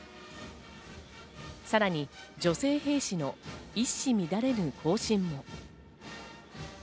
さらに女性兵士の一糸乱れぬ行進も。